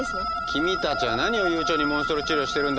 君たちはなにを悠長にモンストロ治療してるんだ！